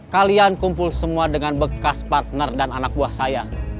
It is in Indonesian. kalian kumpul semua dengan bekas partner dan anak buah saya